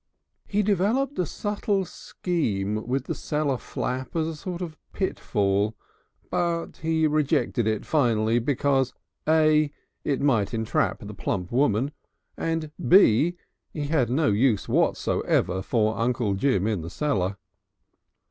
He developed a subtle scheme with the cellar flap as a sort of pitfall, but he rejected it finally because (A) it might entrap the plump woman, and (B) he had no use whatever for Uncle Jim in the cellar.